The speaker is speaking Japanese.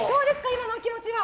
今のお気持ちは。